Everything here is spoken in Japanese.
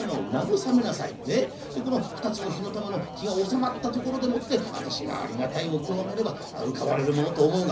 でこの２つの火の玉の気が収まったところでもって私がありがたいお経をあげれば浮かばれるものと思うが」。